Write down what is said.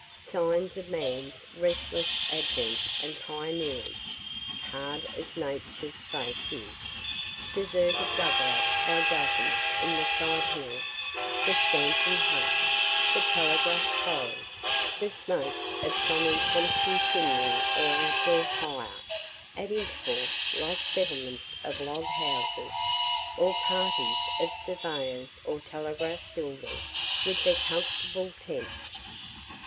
Signs of man's restless advent and pioneerage, hard as Nature's face is deserted dug outs by dozens in the side hills the scantling hut, the telegraph pole, the smoke of some impromptu chimney or outdoor fire at intervals little settlements of log houses, or parties of surveyors or telegraph builders, with their comfortable tents.